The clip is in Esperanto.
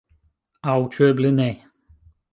Aŭ ĉu eble ne?